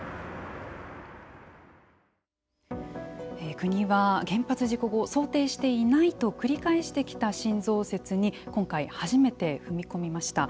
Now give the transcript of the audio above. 国は、原発事故後想定していないと繰り返してきた新増設に今回初めて踏み込みました。